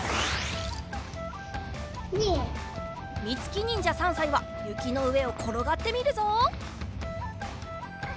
みつきにんじゃ３さいはゆきのうえをころがってみるぞ。